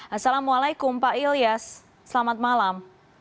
assalamualaikum pak ilyas selamat malam